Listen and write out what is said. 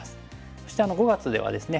そして５月ではですね